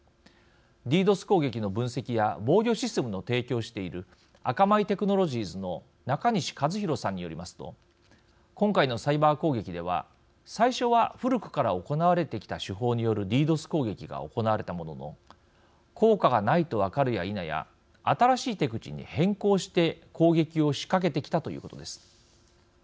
ＤＤｏＳ攻撃の分析や防御システムの提供をしている「アカマイ・テクノロジーズ」の中西一博さんによりますと今回のサイバー攻撃では最初は古くから行われてきた手法によるＤＤｏＳ攻撃が行われたものの効果がないと分かるやいなや新しい手口に変更して攻撃を仕掛けてきたということです。